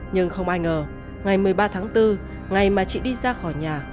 nhưng không ai ngờ ngày một mươi ba tháng bốn ngày mà chị đi ra khỏi nhà